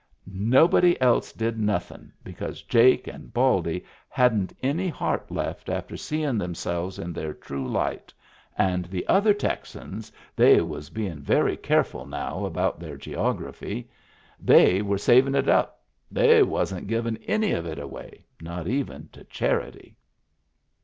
Nobody else did nothin' because Jake and Baldy hadn't any heart left after seein' themselves in their true light, and the other Digitized by VjOOQIC WHERE IT WAS 269 Texans they was bein* very careful now about their geography — they were savin' it up, they wasn't givin' any of it away, not even to charity.